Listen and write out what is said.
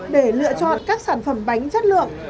để lựa chọn các sản phẩm bánh chất lượng